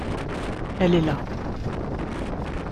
Elle est là.